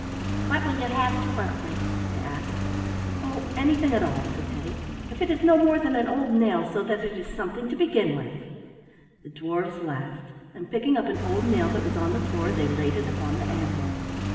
"What will you have to work with?" they asked. "Oh, anything at all," said Teddy, "if it is no more than an old nail, so that it is something to begin with." The dwarfs laughed, and picking up an old nail that was on the floor they laid it upon the anvil.